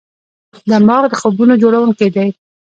دماغ د خوبونو جوړونکی دی.